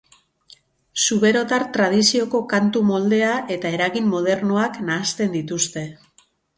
Zuberotar tradizioko kantu moldea eta eragin modernoak nahasten dituzte.